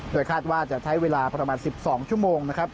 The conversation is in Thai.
โดยคาดว่าจะใช้เวลาประมาณ๑๒ชั่วโมงนะครับ